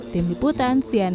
tim liputan berkata